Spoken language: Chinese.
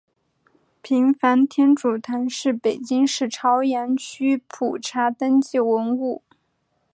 平房天主堂是北京市朝阳区普查登记文物。